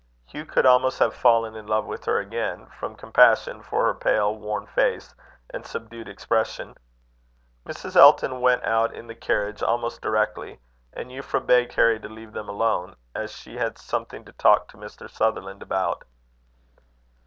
Hugh could almost have fallen in love with her again, from compassion for her pale, worn face, and subdued expression. Mrs. Elton went out in the carriage almost directly, and Euphra begged Harry to leave them alone, as she had something to talk to Mr. Sutherland about.